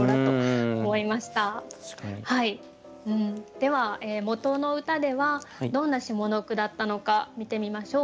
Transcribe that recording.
では元の歌ではどんな下の句だったのか見てみましょう。